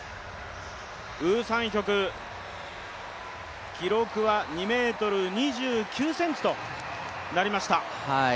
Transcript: ウ・サンヒョク、記録は２ｍ２９ｃｍとなりました。